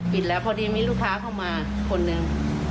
แล้วพอดีมีลูกค้าเข้ามาคนหนึ่ง